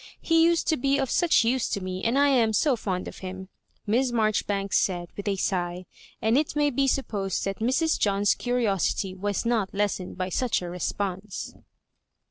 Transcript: He used to be of such use to me, and I am so fond of him," Miss Marjoribanks said, with a sigh ; and it may be supposed that Mrs. John's curiosity was not less ened by such a response.